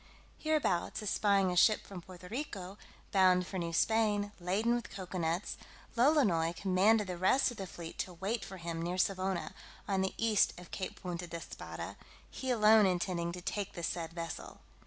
Hereabouts espying a ship from Puerto Rico, bound for New Spain, laden with cocoa nuts, Lolonois commanded the rest of the fleet to wait for him near Savona, on the east of Cape Punta d'Espada, he alone intending to take the said vessel.